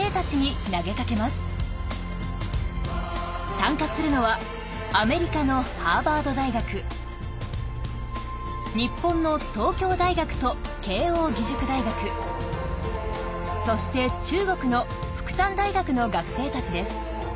参加するのはアメリカのハーバード大学日本の東京大学と慶應義塾大学そして中国の復旦大学の学生たちです。